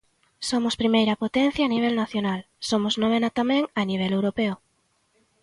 Somos primeira potencia a nivel nacional, somos novena tamén a nivel europeo.